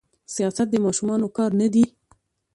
سياست د ماشومانو کار نه دي.